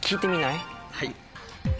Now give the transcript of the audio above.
はい。